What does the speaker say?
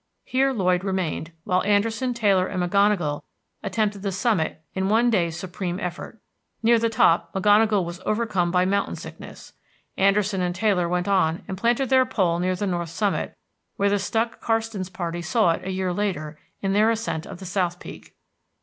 Here Lloyd remained, while Anderson, Taylor, and McGonagall attempted the summit in one day's supreme effort. Near the top McGonagall was overcome by mountain sickness. Anderson and Taylor went on and planted their pole near the North summit, where the Stuck Karstens party saw it a year later in their ascent of the South Peak.